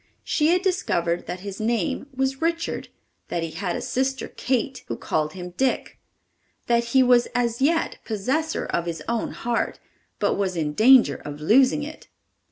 She had discovered that his name was Richard, that he had a sister Kate, who called him Dick, that he was as yet possessor of his own heart, but was in danger of losing it!